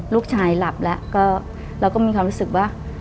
ลูกชายหลับแล้วเราก็มีความรู้สึกว่า